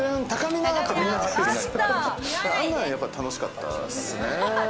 あんなん、やっぱ楽しかったっすね。